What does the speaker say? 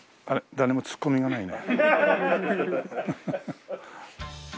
誰もツッコミがないね。